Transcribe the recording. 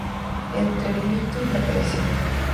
Entre el mito y la tradición".